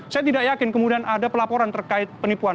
saya tidak yakin kemudian ada pelaporan terkait penipuan